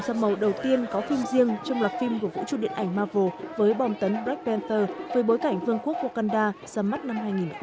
sắp màu đầu tiên có phim riêng trong lọc phim của vũ trụ điện ảnh marvel với bòm tấn black panther với bối cảnh vương quốc wakanda sắp mắt năm hai nghìn một mươi tám